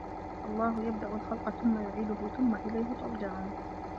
اللَّهُ يَبدَأُ الخَلقَ ثُمَّ يُعيدُهُ ثُمَّ إِلَيهِ تُرجَعونَ